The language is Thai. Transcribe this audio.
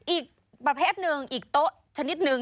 อีกประเภทหนึ่งอีกโต๊ะชนิดนึง